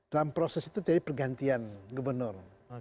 dalam proses itu terjadi pergantian gubernur